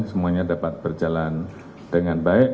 semuanya dapat berjalan dengan baik